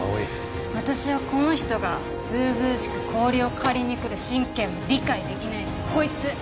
私はこの人がずうずうしく氷を借りに来る神経も理解できないしこいつ！